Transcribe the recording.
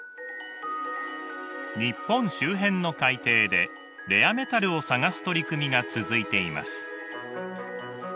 日本周辺の海底でレアメタルを探す取り組みが続いています。